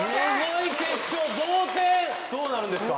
どうなるんですか？